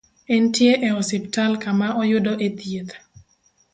Entie e osiptal ka ma oyudo e thieth